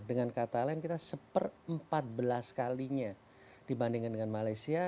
dengan kata lain kita seper empat belas kalinya dibandingkan dengan malaysia